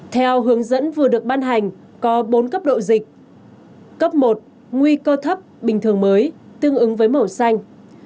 theo hướng dẫn vừa được ban hành có bốn cấp độ dịch cấp một nguy cơ thấp bình thường mới tương ứng với màu xanh